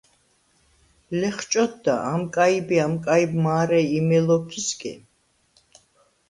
ლეხჭოდდა: ამკაიბ ი ამკაიბ მა̄რე იმე ლოქ იზგე?